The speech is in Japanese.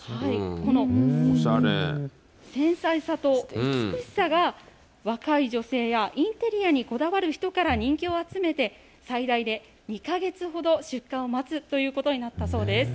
この繊細さと美しさが若い女性やインテリアにこだわる人から人気を集めて、最大で２か月ほど出荷を待つということになったそうです。